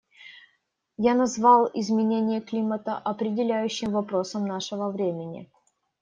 Я назвал изменение климата определяющим вопросом нашего времени.